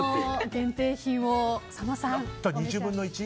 限定品を、佐野さん。